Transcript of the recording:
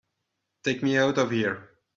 Take me out of here!